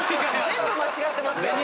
全部間違ってますよ。